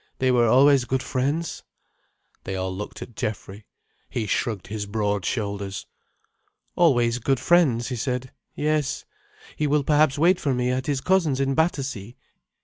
"They were always good friends." They all looked at Geoffrey. He shrugged his broad shoulders. "Always good friends," he said. "Yes. He will perhaps wait for me at his cousin's in Battersea.